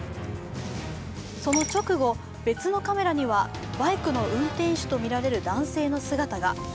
その直後、別のカメラにはバイクの運転手とみられる男性の姿が。